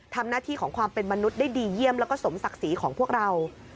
ทำหน้าที่ของความเป็นมนุษย์ได้ดีเยี่ยมแล้วก็สมศักดิ์ศรีของพวกเรา